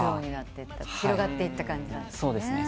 広がっていった感じなんですね。